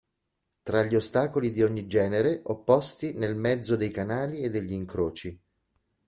Tra gli ostacoli di ogni genere opposti nel mezzo dei canali e degli incroci.